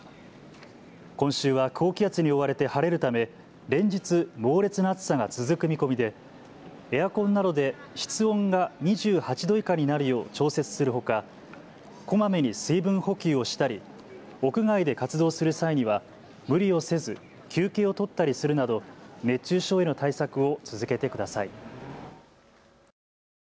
今週は高気圧に覆われて晴れるため連日、猛烈な暑さが続く見込みでエアコンなどで室温が２８度以下になるよう調節するほか、こまめに水分補給をしたり屋外で活動する際には無理をせず休憩を取ったりするなど熱中症への対策を続けてください。